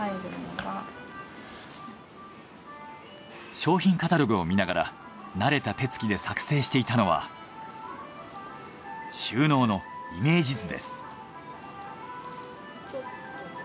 商品カタログを見ながら慣れた手つきで作成していたのは収納のイメージ図です。